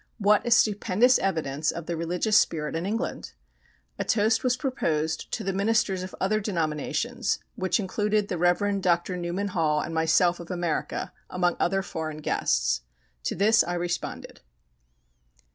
What a stupendous evidence of the religious spirit in England! A toast was proposed to the "Ministers of other Denominations," which included the Rev. Dr. Newman Hall and myself of America, among other foreign guests. To this I responded.